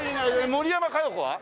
森山加代子は？